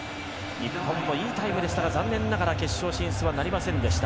日本もいいタイムでしたが残念ながら決勝進出なりませんでした。